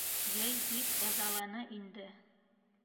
Йәй бик ыҙаланы инде...